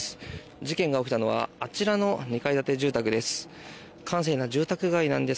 事件が起きたのはあちらの２階建て住宅です。